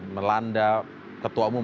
melanda ketua umum